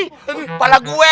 eh kepala gue